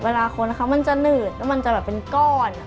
เวลาค้นจะเหนืดแล้วมันจะเป็นก้อน